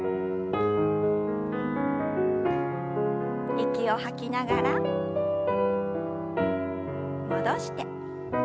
息を吐きながら戻して。